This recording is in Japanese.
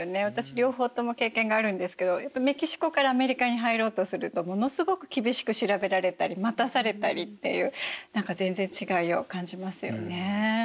私両方とも経験があるんですけどメキシコからアメリカに入ろうとするとものすごく厳しく調べられたり待たされたりっていう何か全然違いを感じますよね。